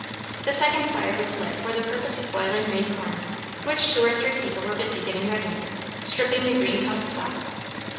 The second fire was lit for the purpose of boiling green corn, which two or three people were busy getting ready, stripping the green husks off.